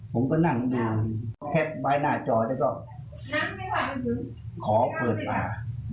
ผมก็นั่งอยู่แคบไว้หน้าจอแล้วก็ขอเปิดป่า